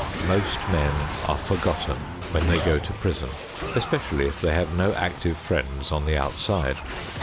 Most men are forgotten when they go to prison, especially if they have no active friends on the outside.